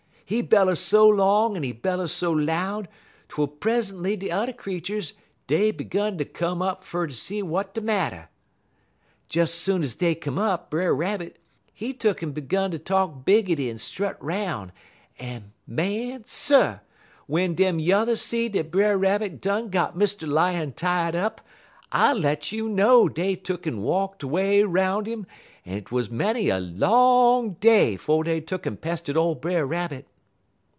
He beller so long en he beller so loud twel present'y de t'er creeturs dey 'gun ter come up fer ter see w'at de matter. "Des soon ez dey come up, Brer Rabbit, he tuck'n 'gun ter talk biggity en strut 'roun', en, Man Sir! w'en dem yuthers see dat Brer Rabbit done got Mr. Lion tied up, I let you know dey tuck'n walked way 'roun' 'im, en 't wuz many a long day 'fo' dey tuck'n pestered ole Brer Rabbit."